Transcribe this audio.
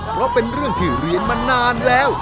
เพราะเป็นเรื่องที่เรียนมานานแล้ว